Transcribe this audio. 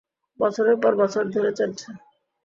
বছরের পর বছর ধরে চলছে।